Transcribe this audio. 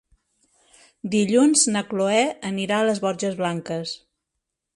Dilluns na Chloé anirà a les Borges Blanques.